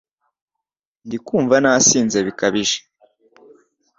Ndi kunva nasinze bikabije